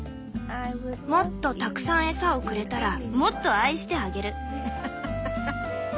もっとたくさん餌をくれたらもっと愛してあげる」。